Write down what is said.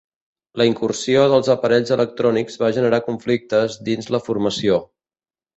La incursió dels aparells electrònics va generar conflictes dins la formació.